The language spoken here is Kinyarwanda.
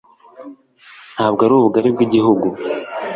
ntabwo ari ubugali bw’igihugu